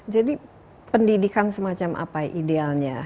jadi pendidikan semacam apa idealnya